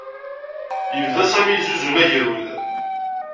Yebda Sami yezzuzun agerrud.